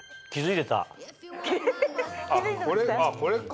あっこれか！